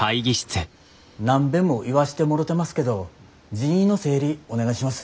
何べんも言わしてもろてますけど人員の整理お願いします。